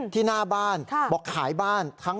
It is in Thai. หน้าบ้านบอกขายบ้าน